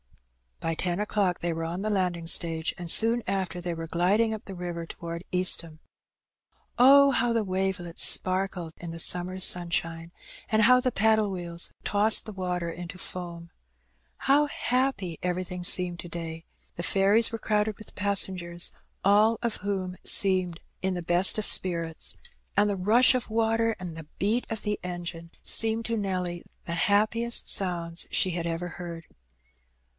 By ten o'clock they were on the landing stage, and soon after they were gliding up the river towards Eastham. Oh, how the wavelets sparkled in the summer's sunshine, and how the paddle wheels tossed the water into foam ! How happy everything seemed to day ! The ferries were crowded with passengers, all of whom seemed in the best 102 Her Benny. of spirits; and the rash of water and the beat of the engine seemed to Nelly the happiest soonds she had ever heard.